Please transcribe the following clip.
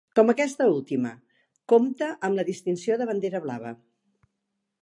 Com aquesta última, compta amb la distinció de Bandera blava.